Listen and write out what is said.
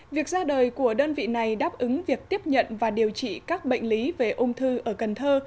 việc ra đời của đơn vị này đáp ứng việc tiếp nhận và điều trị các bệnh lý về ung thư ở cần thơ